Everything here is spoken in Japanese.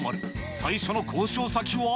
最初の交渉先は。